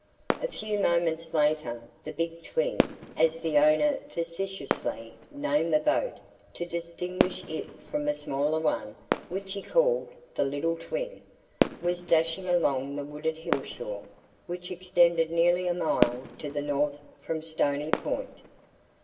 A few moments later the "Big Twin," as the owner facetiously named the boat to distinguish it from a smaller one which he called the "Little Twin," was dashing along the wooded hill shore which extended nearly a mile to the north from Stony Point.